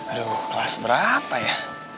aduh kelas berapa ya